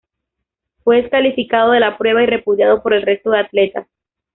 Fue descalificado de la prueba y repudiado por el resto de atletas.